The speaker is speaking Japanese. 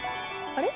あれ？